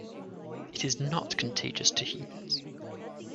It is not contagious to humans.